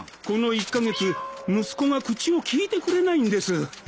この１カ月息子が口を利いてくれないんです。